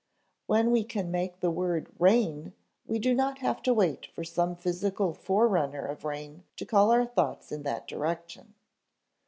When we can make the word rain, we do not have to wait for some physical forerunner of rain to call our thoughts in that direction.